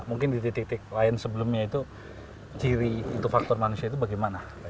mungkin di titik titik lain sebelumnya itu ciri itu faktor manusia itu bagaimana